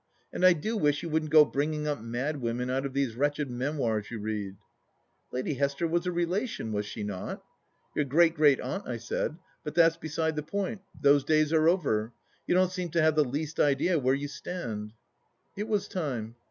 " And I do wish you wouldn't go bringing up mad women out of these wretched memoirs you read "" Lady Hester was a relation, was she not ?"" Your great great aunt," I said. " But that's beside the point. Those days are over. You don't seem to have the least idea where you stand." It was time.